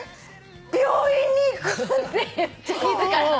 「病院に行く！」って言っちゃった。